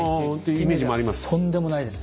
イメージもあります。